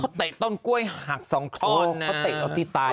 เขาเตะต้นกล้วยหักสองกตอนนะโอ๊ยเขาเตะเอาตี้ไทย